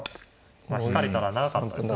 まあ引かれたら長かったですね。